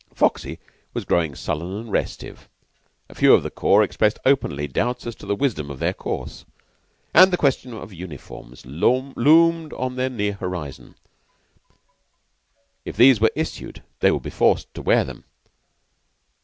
Foxy was growing sullen and restive. A few of the corps expressed openly doubts as to the wisdom of their course; and the question of uniforms loomed on the near horizon. If these were issued, they would be forced to wear them.